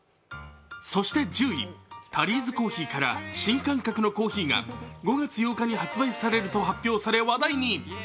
そして１０位、タリーズコーヒーから新感覚のコーヒーが５月８日に発売されると発表され話題に。